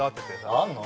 あんの？